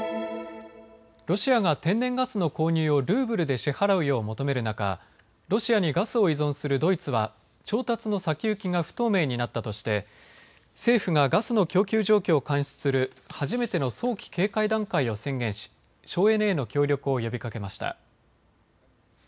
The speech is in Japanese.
ロシアが天然ガスの購入をルーブルで支払うよう求める中、ロシアにガスを依存するドイツは調達の先行きが不透明になったとして政府がガスの供給状況を監視する初めての早期警戒段階を宣言し省エネへの協力を呼びかけました。